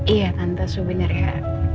iya tante su bener ya